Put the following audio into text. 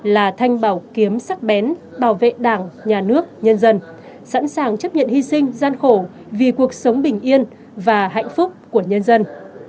là thanh bảo kiếm sắc bén bảo vệ đảng nhà nước nhân dân sẵn sàng chấp nhận hy sinh gian khổ vì cuộc sống bình yên và hạnh phúc của nhân dân